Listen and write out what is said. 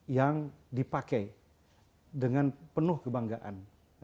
yang dipakai dengan penuh kebanggaan